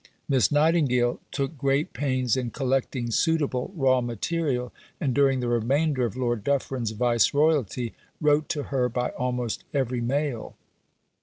Miss Nightingale took great pains in collecting suitable raw material, and during the remainder of Lord Dufferin's Viceroyalty wrote to her by almost every mail.